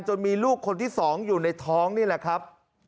มีลูกคนที่๒อยู่ในท้องนี่แหละครับ